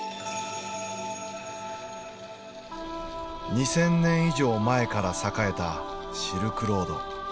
２，０００年以上前から栄えたシルクロード。